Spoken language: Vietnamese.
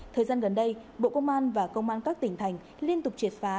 thời gian gần đây bộ công an và công an các tỉnh thành liên tục triệt phá